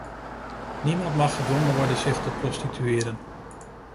Niemand mag gedwongen worden zich te prostitueren.